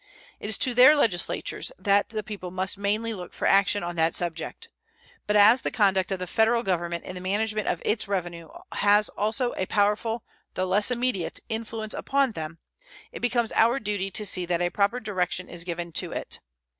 It is to their legislatures that the people must mainly look for action on that subject. But as the conduct of the Federal Government in the management of its revenue has also a powerful, though less immediate, influence upon them, it becomes our duty to see that a proper direction is given to it.